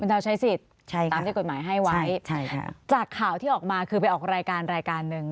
เท้าใช้สิทธิ์ตามที่กฎหมายให้ไว้จากข่าวที่ออกมาคือไปออกรายการรายการหนึ่ง